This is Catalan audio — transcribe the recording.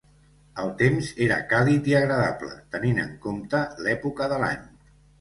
El temps era càlid i agradable, tenint en compte l'època de l'any.